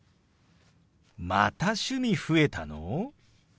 また趣味増えたの！？